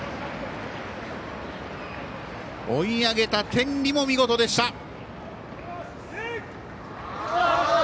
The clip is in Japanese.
追い上げた天理も見事でした。